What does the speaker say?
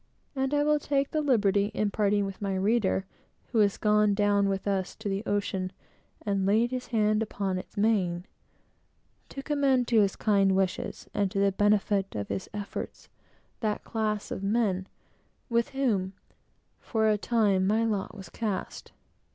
And I will take the liberty, on parting with my reader, who has gone down with us to the ocean, and "laid his hand upon its mane," to commend to his kind wishes, and to the benefit of his efforts, that class of men with whom, for a time, my lot was cast.